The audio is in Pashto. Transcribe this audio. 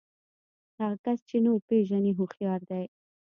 هغه کس چې نور پېژني هوښيار دی.